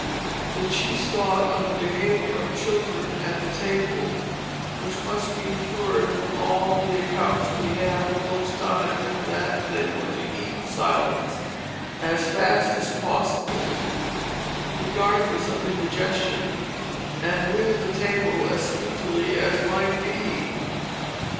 The chief thought on the behavior of children at the table, which must be inferred from all the accounts we have of those times is that they were to eat in silence, as fast as possible (regardless of indigestion), and leave the table as speedily as might be.